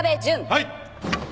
はい。